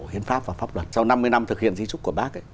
hiến pháp và pháp luật sau năm mươi năm thực hiện di trúc của bác